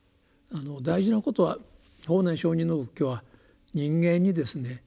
大事なことは法然上人の仏教は人間にですね